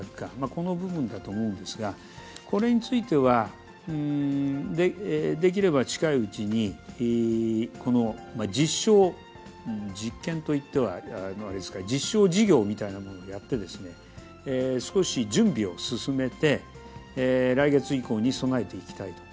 この部分だと思うんですが、これについては、できれば近いうちに、この実証実験といってはあれですが、実証事業なものをやってですね、少し準備を進めて、来月以降に備